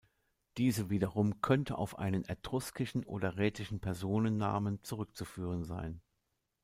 Diese wiederum könnte auf einen etruskischen oder rätischen Personennamen zurückzuführen sein.